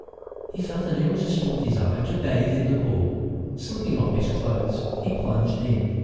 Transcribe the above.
He felt an irresistible desire to bathe in the pool. Slipping off his clothes he plunged in.